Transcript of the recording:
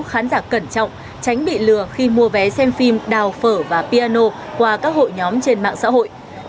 khán giả cẩn trọng tránh bị lừa khi mua vé xem phim đào phở và piano qua các hội nhóm trên mạng xã hội